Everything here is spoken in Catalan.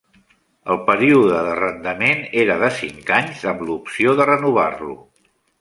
El període d'arrendament era de cinc anys, amb l'opció de renovar-lo.